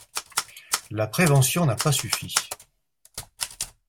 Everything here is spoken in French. La prévention n’a pas suffi.